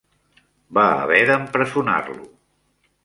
Va haver d'empresonar-lo.